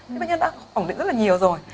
thế bác nhân đã khổng định rất là nhiều rồi